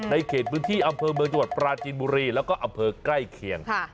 เขตพื้นที่อำเภอเมืองจังหวัดปราจีนบุรีแล้วก็อำเภอใกล้เคียง